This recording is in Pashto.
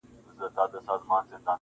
• پر زړه مي اوري د کابل واوري -